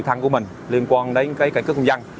khi có cuộc liên hệ liên quan đến cây cước công dân